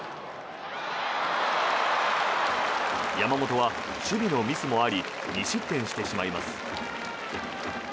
山本は守備のミスもあり２失点してしまいます。